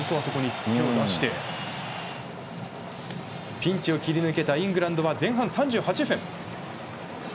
ピンチを切り抜けたイングランドは前半３８分。